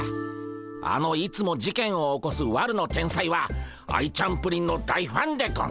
あのいつも事件を起こす悪の天才はアイちゃんプリンの大ファンでゴンス。